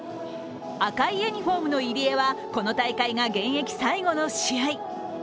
赤いユニフォームの入江はこの大会が現役最後の試合。